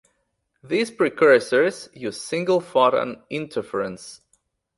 These precursors use single-photon interference.